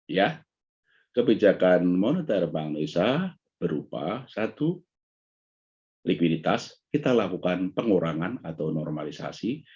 ya kebijakan moneter bank indonesia berupa satu likuiditas kita lakukan pengurangan atau normalisasi